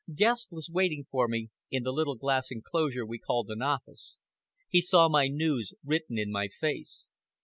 Guest was waiting for me in the little glass enclosure we called an office. He saw my news written in my face.